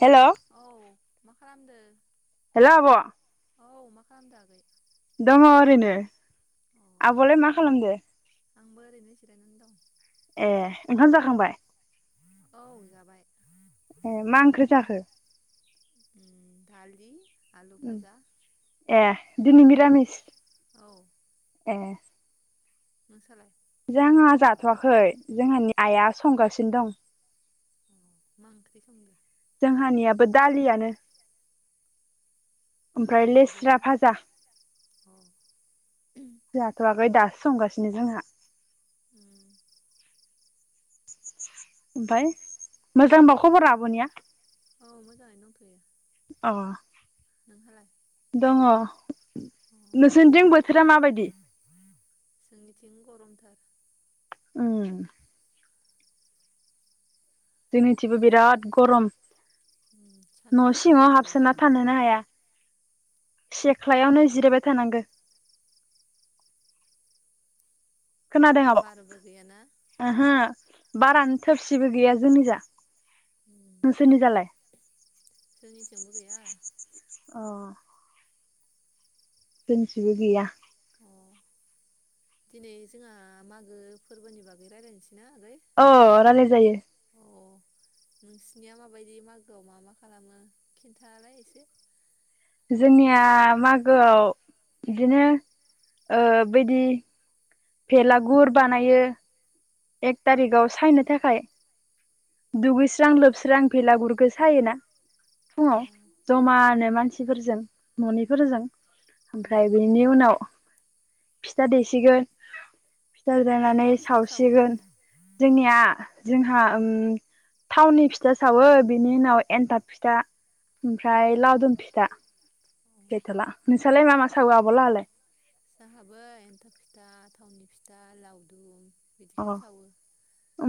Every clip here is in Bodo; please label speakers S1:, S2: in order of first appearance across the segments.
S1: हेल
S2: औ मा खालामदो
S1: हेलौ आब
S2: औ माखालामदों आगै
S1: दङ ओरैनो
S2: अ
S1: आब आलाय मा खालामदो
S2: आंबो ओरैनो जिरायनानै दं
S1: ए ओंखाम जाखांबाय
S2: ओउ जाबाय
S1: ए मा ओंख्रि जाखो
S2: दालि आलु
S1: उम
S2: भाजा
S1: ए दिनि मिरामिस
S2: ओउ
S1: ए
S2: नोंसालाय
S1: जोंहा जाथवाखै जोंहानि आइया संगासिनो दं
S2: अ मा ओंख्रि संदो
S1: जोंहानियाबो दालियानो ओमफ्राय
S2: भाजा गैया
S1: लेस्रा
S2: जेबो
S1: फाजा
S2: अ उम
S1: जोहाथवाखै दासो संगासिनो जोंहा
S2: [inaudible]
S1: ओमफाय मोजांबा खबरा आबनिया
S2: ओउ मोजाङैनो दंथयो
S1: अ
S2: नोंहालाय
S1: दङ
S2: अ
S1: नोंसोरथिं बोथोरा माबायदि
S2: थार
S1: ओं जोनिथिंबो
S2: नोंस
S1: बिराद गरम
S2: उम सान्दुं
S1: न
S2: गोसाथार
S1: सिङाव
S2: दुंदो ना
S1: हाबसोना थानोनो हाया। सेख्लायावनो जिरायबाय थानांगो खोनादों आब
S2: बारबो गैयाना
S1: ओहो। बारानो थोबसिबो गैया जोंनि जा
S2: उम
S1: नोंसोनिजालाय
S2: जोंनिथिंबो गैया।
S1: अ जोंनिथिंबो गैया।
S2: अ दिनै जोंहा मागो फोरबोनि बागै रायज्लायनोसैना आगै
S1: अ रायलाय जायो।
S2: अ नोंसिनिया माबायदि मागोआव मा मा खालामो खिन्थालाय एसे
S1: जोंनिया मागोआव बिदिनो ओ बैदि फेलागुर बानायो। एक थारिगाव सायनो थाखाय दुगैस्रां लोबस्रां बेलागुरखो सायोना
S2: अ
S1: फुङाव जमानो मानसिफोरजों ननिफोरजों
S2: उम
S1: ओमफ्राय बेनि उनाव फिथा देसिगोन। फिथा
S2: मा
S1: जानानै
S2: मा फिथा सावो
S1: सावसिगोन जोंनिया जोंहा ओम थावनि फिथा सावो बिनि उनाव एन्थाब फिथा ओमफ्राय लावदुम फिथा
S2: अ
S1: गैथला नोंसालाय मा मा सावो आबलाहालाय
S2: जाहाबो एन्थाब फिथा थावनि फिथा लावदुम बिदिखोनो सावो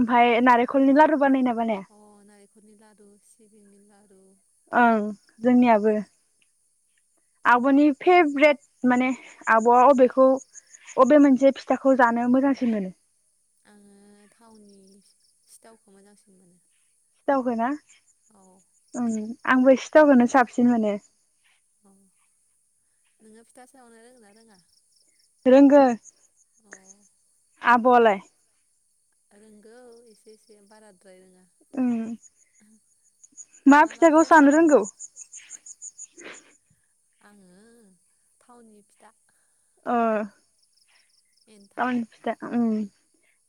S1: ओमफाय नारेखलनि लारु बानायोना बानाया
S2: अ नारेखलनि लादु सि बिंनि लारु
S1: ओं जोंनियाबो आबनि फेब्रेद माने आबआ अबेखौ अबे मोनसे फिथाखौ जानो मोजांसिन मोनो
S2: आङो थावनि सिथावखौ मोजांसिन मोनो
S1: सिथावखोना
S2: औ
S1: ओं आंबो सि सिथावखौनो साबसिन मोनो
S2: अ नोङो फिथा सावनो रोङोना रोङा
S1: रोंगो आबआलाय
S2: रोंगौ एसे एसे बारा
S1: ओं मा फिथाखौ सावनो रोंगौ
S2: आङो थावनि फिथा
S1: अ
S2: एन्थाब
S1: टावनि फिथा ओं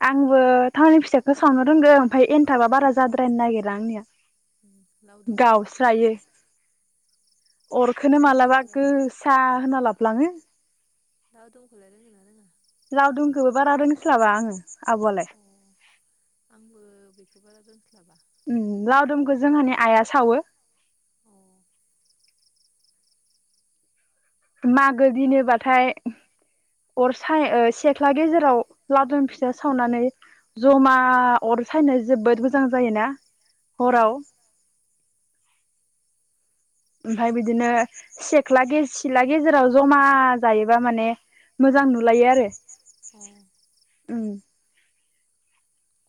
S1: आंबो थावनि फिसाखौ सावनो रोंगो ओमफाय एनथाबा बारा जाद्रायनो नागिरा आंनिया
S2: उम लावदुमखौलाय
S1: गावस्रायो अरखोनो मालाबा
S2: लावदुमखौलाय रों
S1: गोसा होना लाब लाङो।
S2: लावदंखौलाय रोंगोन ना रोङा।
S1: लावदुमखौबो बारा रोंस्लाबा आङो। आब'आलाय
S2: अ आंबो बे बारा रोंस्लाबा।
S1: उम लावदुमखौ जोंहानि आइआ सावो।
S2: अ
S1: मागो दिनोबाथाय अर साय ओ सेख्ला गेजेराव लावदुम फिथा सावनानै जमा अर सायनो जोबोद मोजां जायोना।
S2: उम
S1: अराव। ओमफाय बिदिनो सेख्ला गेज सिला गेजेराव जमा जायोबा माने मोजां नुलायो आरो।
S2: अ
S1: उम।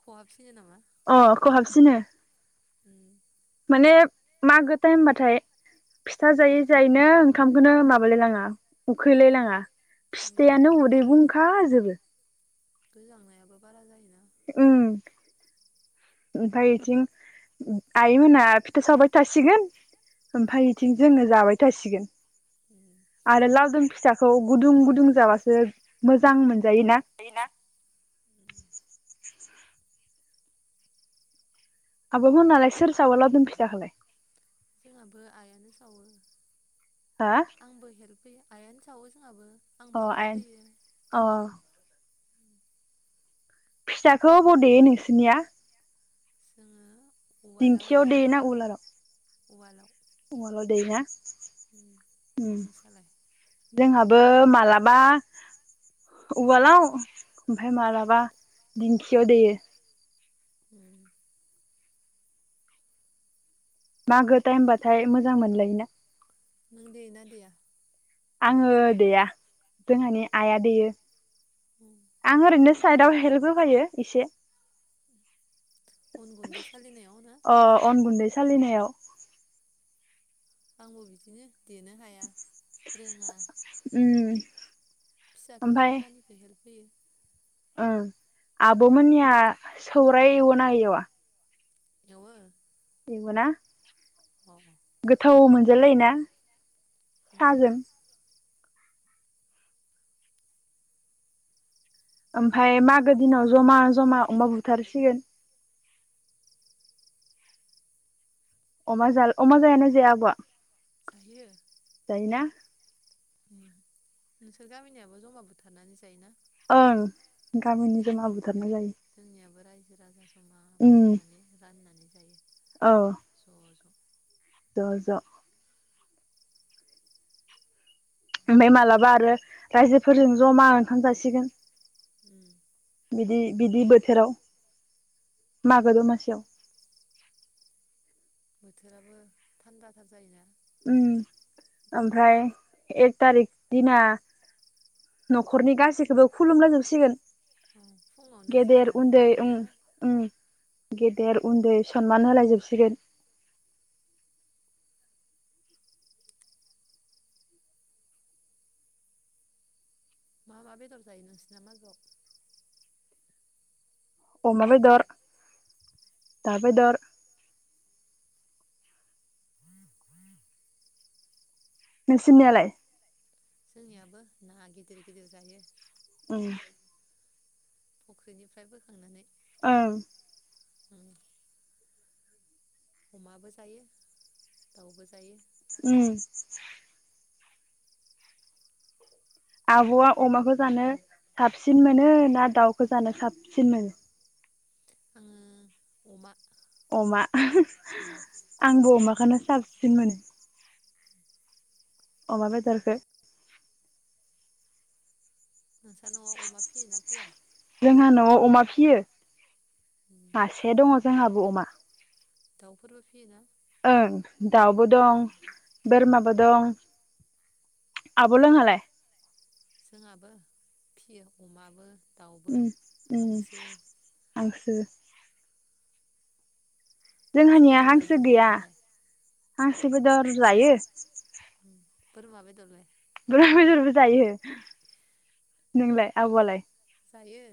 S2: खहाबसिनो नामा।
S1: अ खहाबसिनो।
S2: उम
S1: माने मागो ताएमबाथाय फिथा जायै जायैनो ओंखामखौनो माबालाय लाङा उखैलायलाङा।
S2: उम
S1: फिथायानो उदै बुंखाजोबो।
S2: गोजांनायाबो बारा जायोना।
S1: उम। ओमफ्राय बिथिं आइ मोना फिथा सावबाय थासिगोन।
S2: औ
S1: ओमफ्राय इथिं जोङो जाबाय थासिगोन।
S2: उम
S1: आरो लावदुम फिथा खौ गुदुं गुदुं जाबासो मोजां मोन जायो ना।
S2: उम
S1: आब' मोनालाय सोर सावो लावदुम फिथाखौलाय?
S2: जोंहाबो आइयानो सावो।
S1: हा
S2: आंबो हेल्प होयो आइयानो सावो जोंहाबो। आंबो
S1: अ
S2: हेल्प होयो
S1: आइयानो अ फिथाखौ ओबाव देयो नोंसिनिया?
S2: जोङो उवालाव
S1: दिंखियाव दे
S2: देयो
S1: ना उलाराव?
S2: उवालाव
S1: ओ देयोना।
S2: उम
S1: उम
S2: नोंसालाय
S1: जोंहाबो माला मा उवालाव ओमफ्राय मालाबा दिंखियाव दैयो।
S2: उम
S1: मागो टाइम बाथाय मोजां मोनलायोना।
S2: नों देयो ना देया?
S1: आङो देया जोंहानि आइया देयो। आं ओरैनो साइदआव हेल्प होफायो एसे
S2: अन गुन्दै सालिनायाव ना?
S1: अ अन गुन्दै सालिनायाव।
S2: आंबो बिदिनो देनो हाया रोङा।
S1: उम
S2: फिसा फिला खामानिखौ हेल्प होयो।
S1: उम आब'मोननिया सौराय एवो ना एवा?
S2: एवो।
S1: एवो ना?
S2: अ'
S1: गोथाव मोनजालायो ना?
S2: उम
S1: साजों ओमफ्राय मागो दिनाव जमा जमा अमा बुथारसिगोन। अमा जाल अमा जायो ना जाया आब'आ?
S2: जायो
S1: जायोना?
S2: नोंसोर गामिनियाबो जमा बुथारनानै जायोना?
S1: ओं गामिनि
S2: उम
S1: जमा बुथारना जायो।
S2: जोंनियाबो रायजो राजा जमा
S1: उम
S2: बुथारनानै राननानै जायो ज'
S1: औ
S2: ज'।
S1: ज' ज'। ओमफ्राय मालाबा आरो रायजोफोरजों जमा ओंखाम जासिगोन।
S2: उम
S1: बि-बिदि बोथोराव मागो दमासियाव।
S2: बोथोराबो थान्दाथार जायोना।
S1: उम ओमफ्राय एक थारिक दिना न'खरनि गासैखौबो खुलुमनां जोबसिगोन।
S2: उम फुङावनो सिखारनानै
S1: उम
S2: दुगैयोना?
S1: उम गेदेर उन्दै सनमान होलाय जोबसिगोन।
S2: मा मा बेदर जायो नोंसिना मागोयाव?
S1: अमा बेदर दाव बेदर। नोंसिनियालाय?
S2: जोंनियाबो ना गिदिर गिदिर जायो।
S1: उम
S2: फुख्रिनिफ्राय बोखांनानै।
S1: ओं।
S2: उम अमाबो जायो दाउबो जायो।
S1: उम आब'आ अमाखौ जानो साबसिन मोनो ना दाउखौ जानो साबसिन मोनो?
S2: आङो अमा।
S1: अमा आंबो अमाखौनो। साबसिन मोनो। अमा बेदरखौ।
S2: नोंस्रा नआव अमा फियोना फिया?
S1: जोंहा न'आव अमा फियो। मासे दङ। जोंहाबो अमा
S2: दाउफोरबो फियोना?
S1: ओं दाउबो दं बोरमाबो दं। आबलाहालाय?
S2: जोंहाबो फियो अमाबो। दाउबो
S1: उम उम
S2: हांसो
S1: आंसो।
S2: हांसो
S1: जोंहानिया
S2: बेदर जायोना
S1: हांसो
S2: जाया
S1: गैया
S2: नोंलाय
S1: हां [unintelligible]
S2: [inaudible] बोरमा बेदरलाय?
S1: बोरमा बेदरबो जायो नोंलाय आबआलाय?
S2: जायो।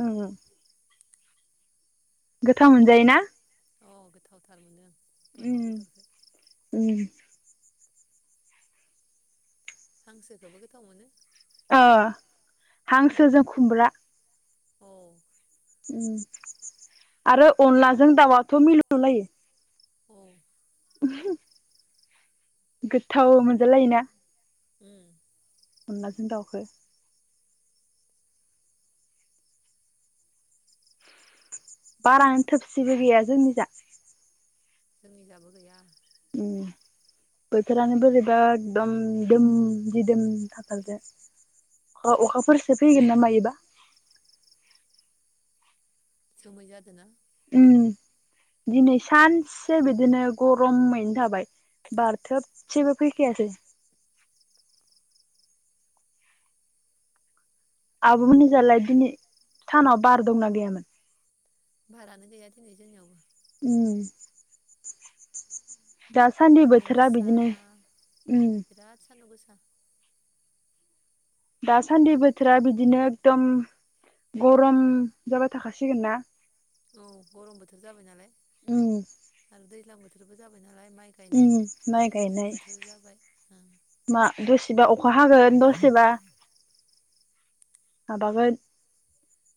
S1: उम गोथाव मोनजायो ना?
S2: अ गोथावथार मोनो। बोरमा
S1: उम
S2: बेदरखौ।
S1: उम
S2: हांसोखौबो गोथाव मोनो।
S1: ओ हांसो जों खुमब्रा।
S2: औ।
S1: उम आरो अनलाजों दाउआथ मिलौलायो।
S2: औ।
S1: [unintelligible] गोथथाव मोनजालायोना?
S2: उम।
S1: अनलाजों दाउखौ। बारानो थोबसिबो गैया जोंनि जा
S2: जोंनि जाबो गैया।
S1: उम बोथोरानो बोरैबा एकदम दोम दिदोम थाथारदो अखा अखाफोरसो फैगोन ना मायोबा।
S2: जोमै जादोंना?
S1: उम दिनै सानसे बिदिनो गरमैनो थाबाय बार थोबसेबो फैखायासै। आबमोननिजालाय दिनै सानाव बार दंना गैयामोन?
S2: बारानो गैया दिनै जोंनियावबो।
S1: उम। दासान्दि
S2: सान्दुं
S1: बोथोरा
S2: गोसा
S1: बिदिनो उम।
S2: बिराद सान्दुं गोसा
S1: दासान्दि बोथोरा बिदिनो एकदम गरम जाबाय थाखासिगोन ना?
S2: औ गरम बोथोर जाबाय नालाय।
S1: उम
S2: आरो दैलांबो थोरबो जाबायना। लाय माइ
S1: उम
S2: गायनाय
S1: माइ
S2: फुनाय
S1: गायनाय
S2: बोथोर जाबाय
S1: मा दसेबा अखा हागोन दसेबा माबागोन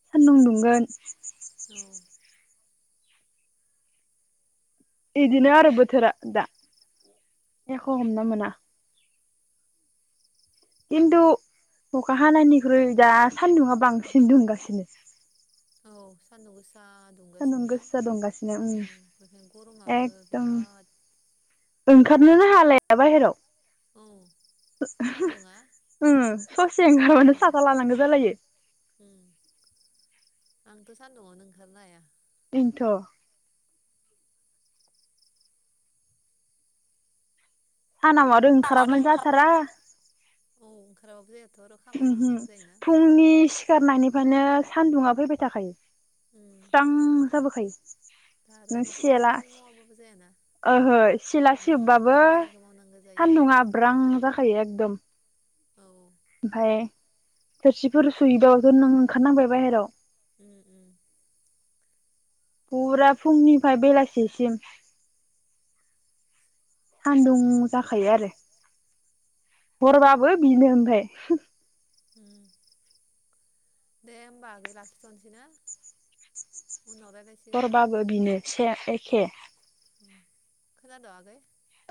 S1: सान्दुं दुंगोन।
S2: औ
S1: इदिनो आरो बोथोरा दा एख हमना मोना। खिन्थु अखा हानायनिख्रुइ दा सानदुङा बांसिन दुंगासिनो।
S2: औ सान्दुं गोसा। सा
S1: सान्दुं
S2: दुंगासिनो ना
S1: गोसा दुंगासिनो
S2: उम बेखायनो गरमाबो
S1: एकदम
S2: बिराद
S1: ओंखारनोनो हालाया बाहेराव
S2: औ सान्दुङा
S1: ओ ससे ओंखारबानो
S2: उम
S1: साथा लानांगौ जालायो।
S2: उम आंथ' सान्दुङावनो ओंखारनो हाया।
S1: इनथ' सानाव आरो ओंखाराबानो जाथारा।
S2: औ ओंखाराबाबो जायाथ' आरो खामानि
S1: उमहो
S2: मावनांगौ जायोना
S1: फुंनि सिखारनायनि फ्रायनो सान्दुङा फैबाय थाखायो।
S2: उम
S1: स्रां जाबोखायो।
S2: दा आरो
S1: नों
S2: न'खरनि
S1: सेला
S2: खामानि मावाबाबो जायाना
S1: ओहो सिला
S2: उम
S1: सिबबाबो
S2: खामानिखौ मावनांगौ जायो
S1: सान्दुंङा ब्रां जाखायो। दोम
S2: औ
S1: ओमफाय थोरसिफोर सुहैदावथ नों ओंखारनांबाय बाहेराव।
S2: उम उम।
S1: फुरा फुंनिफ्राय बेलासिसिम सान्दुं जाखायो आरो। हरबाबो बिनो ओमफाय
S2: दे होमबा आगै लाखिथ'नोसै ना? उनाव रायलायसिगोन
S1: हरबाबो बिनो से एख खे
S2: खोनाद' आगै?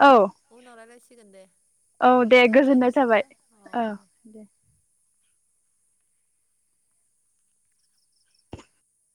S1: औ
S2: उनाव रायलायसि सिगोनदे
S1: औ दे गोजोननाय थाबाय औ दे।